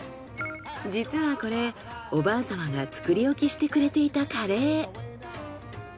実はこれおばあ様が作り置きしてくれていたカレー。